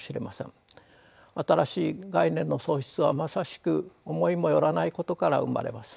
新しい概念の創出はまさしく思いも寄らないことから生まれます。